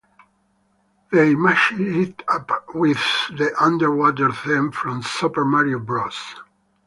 They mashed it up with the underwater theme from Super Mario Bros.